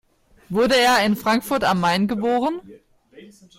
Wurde er in Frankfurt am Main geboren?